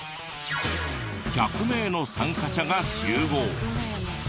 １００名の参加者が集合。